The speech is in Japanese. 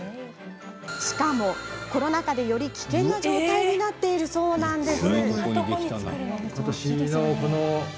しかも、コロナ禍でより危険な状態になっているそうなんです。